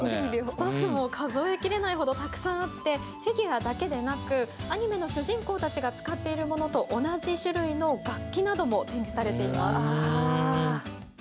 スタッフも数えきれないほどたくさんあってフィギュアだけでなくアニメの主人公たちが使っているものと同じ種類の楽器なども展示されています。